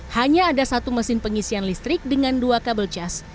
hanya ada satu mesin pengisian listrik dengan dua kabel jas